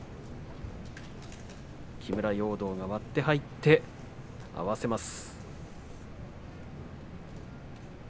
木村容堂が割って入って合わせます。